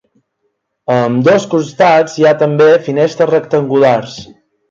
A ambdós costats hi ha també finestres rectangulars.